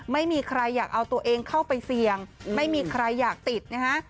ไม่มีใครอยากเอาตัวเองเข้าไปเสี่ยงไม่มีใครอยากติดนะฮะ